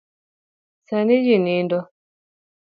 Sani ji nindo.